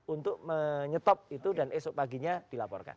untuk menyetop itu dan esok paginya dilaporkan